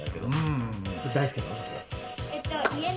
大好きなの？